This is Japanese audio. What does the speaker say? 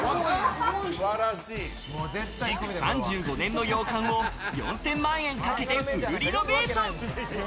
築３５年の洋館を４０００万円かけてフルリノベーション！